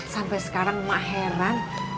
sampai sekarang mak heran